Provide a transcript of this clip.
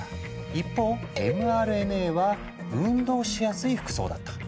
一方ｍＲＮＡは運動しやすい服装だった。